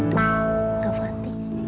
itu gak berarti